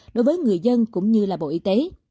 đối với người dân cũng như là bộ y tế